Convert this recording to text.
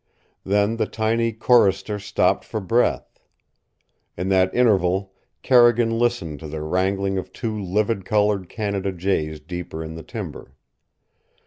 Then the tiny chorister stopped for breath. In that interval Carrigan listened to the wrangling of two vivid colored Canada jays deeper in the timber.